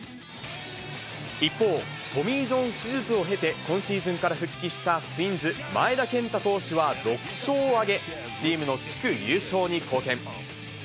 一方、トミー・ジョン手術を経て今シーズンから復帰したツインズ、前田健太投手は６勝を挙げ、チームの地区優勝に貢献。